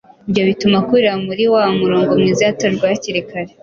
Ibyo bituma akurira muri wa murongo mwiza yatojwe hakiri kare;